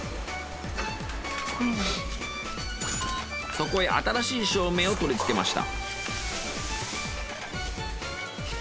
そこへ新しい照明を取り付けました。